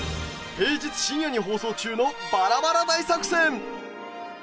平日深夜に放送中のバラバラ大作戦。